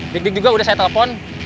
dik dik juga udah saya telepon